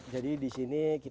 jadi di sini kita